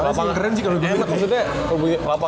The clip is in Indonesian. kaya keren sih kalo diapain